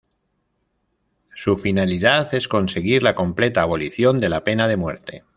Su finalidad es conseguir la completa abolición de la pena de muerte.